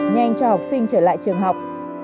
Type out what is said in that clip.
nhanh cho học sinh trở lại trường học